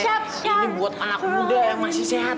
nek nek ini buat anak muda yang masih sehat